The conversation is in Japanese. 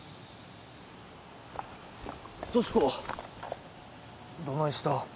俊子どないした？